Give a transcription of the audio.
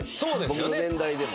僕の年代でも。